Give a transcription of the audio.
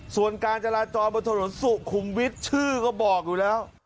ส่วนการจราจรบนถนนสุขุมวิทย์ชื่อก็บอกอยู่แล้ว